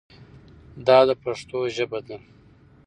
دا د پښتو ژبه ده.